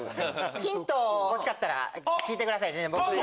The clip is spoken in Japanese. ヒント欲しかったら聞いてください。